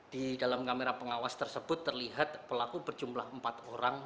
di dalam kamera pengawas tersebut terlihat pelaku berjumlah empat orang